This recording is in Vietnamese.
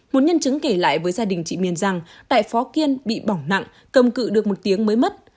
một nhân chứng kể lại với gia đình chị miên rằng tại phó kiên bị bỏng nặng cầm cự được một tiếng mới mất